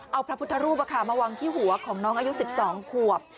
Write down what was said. เอาวางที่หัวของน้องอายุ๑๒ขวบ